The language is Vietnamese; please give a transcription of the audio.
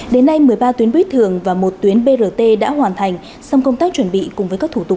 đến nay một mươi ba tuyến buýt thường và một tuyến brt đã hoàn thành xong công tác chuẩn bị cùng với các thủ tục